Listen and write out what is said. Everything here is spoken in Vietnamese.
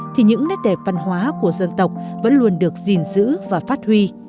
thì những nét đẹp văn hóa của dân tộc vẫn luôn được gìn giữ và phát huy